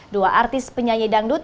dua artis penyanyi dangdut